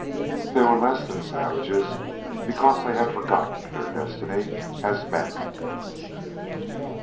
They were less than savages, because they had forgotten their destiny as men.